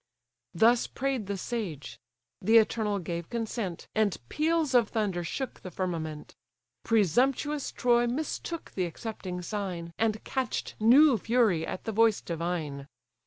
Thus prayed the sage: the eternal gave consent, And peals of thunder shook the firmament. Presumptuous Troy mistook the accepting sign, And catch'd new fury at the voice divine.